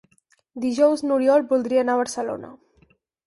Dijous n'Oriol voldria anar a Barcelona.